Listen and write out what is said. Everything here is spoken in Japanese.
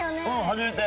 初めて。